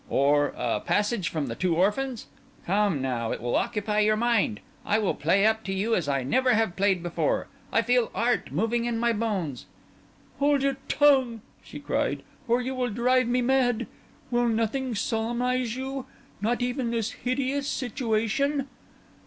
Or a passage from the 'Two Orphans'? Come, now, it will occupy your mind; I will play up to you as I never have played before; I feel art moving in my bones." "Hold your tongue," she cried, "or you will drive me mad! Will nothing solemnise you—not even this hideous situation?"